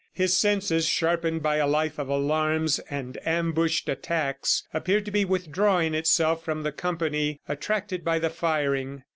His senses, sharpened by a life of alarms and ambushed attacks, appeared to be withdrawing itself from the company, attracted by the firing.